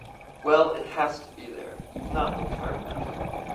Well, it has to be there. You've not looked hard enough.